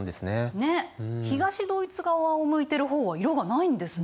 ねっ東ドイツ側を向いてる方は色がないんですね。